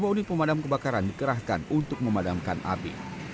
dua unit pemadam kebakaran dikerahkan untuk memadamkan api